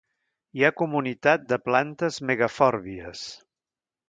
Hi ha comunitat de plantes megafòrbies.